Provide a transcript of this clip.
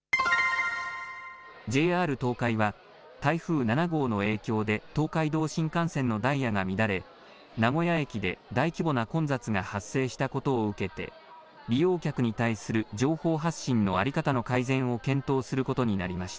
ＪＲ東海は、台風７号の影響で東海道新幹線のダイヤが乱れ、名古屋駅で大規模な混雑が発生したことを受けて、利用客に対する情報発信の在り方の改善を検討することになりまし